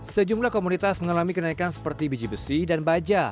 sejumlah komunitas mengalami kenaikan seperti biji besi dan baja